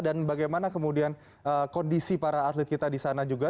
dan bagaimana kemudian kondisi para atlet kita di sana juga